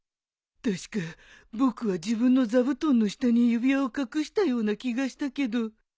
確か僕は自分の座布団の下に指輪を隠したような気がしたけど